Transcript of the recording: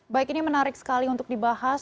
baik ini menarik sekali untuk dibahas